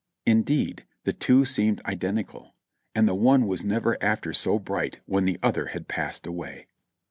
Indeed, the two seemed identical, and the one was never after so bright when the other had passed away.